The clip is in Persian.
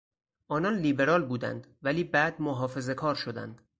آنان لیبرال بودند ولی بعد محافظه کار شدند.